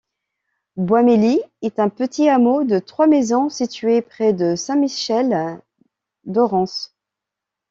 Bois-Mélie est un petit hameau de trois maisons situé près de Saint-Michel-d'Aurance.